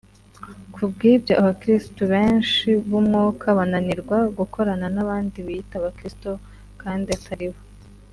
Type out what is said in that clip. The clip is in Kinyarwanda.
Kubw’ibyo abakiristu benshi b’umwuka bananirwa gukorana n’abandi biyita abakiristo kandi atari bo